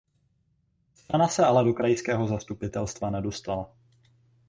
Strana se ale do krajského zastupitelstva nedostala.